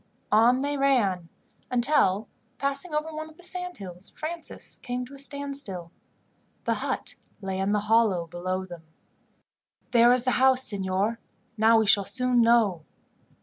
On they ran, until, passing over one of the sand hills, Francis came to a standstill. The hut lay in the hollow below them. "There is the house, signor. Now we shall soon know."